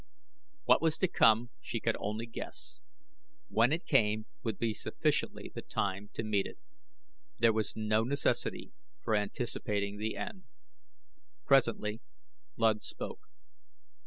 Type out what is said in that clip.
What was to come she could only guess. When it came would be sufficiently the time to meet it. There was no necessity for anticipating the end. Presently Luud spoke.